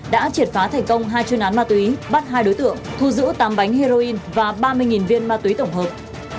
đã triệt phá thành công hai chuyên án ma túy bắt hai đối tượng thu giữ tám bánh heroin và ba mươi viên ma túy tổng hợp